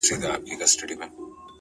o هغه ليوني ټوله زار مات کړی دی،